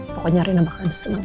pokoknya rena bakal senang